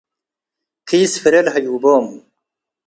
ኪስ-ፍሬ ለሀይቦም ።